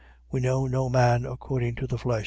We know no man according to the flesh.